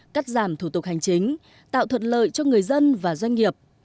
cắt giảm thủ tục hành chính tạo thuận lợi cho người dân và doanh nghiệp